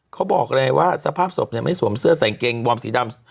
เขาบอกเลยว่าสภาพศพไม่สวมเสื้อใส่กางเกงวอร์มสีดำ